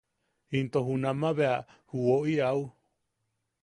Into junama bea ju woʼi au.